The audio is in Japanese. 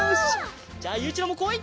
じゃあゆういちろうもこい！